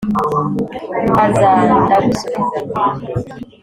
mbazza nda gusubiza